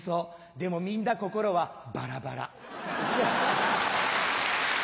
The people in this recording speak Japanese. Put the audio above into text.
でもみんな心はバラバラ。